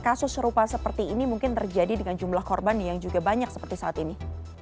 kasus serupa seperti ini mungkin terjadi dengan jumlah korban yang juga banyak seperti saat ini